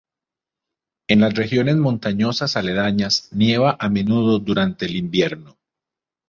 En las regiones montañosas aledañas nieva a menudo durante el invierno.